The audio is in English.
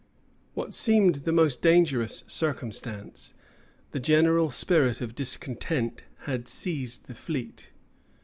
What seemed the most dangerous circumstance, the general spirit of discontent had seized the fleet.